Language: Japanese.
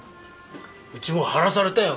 うちも貼らされたよ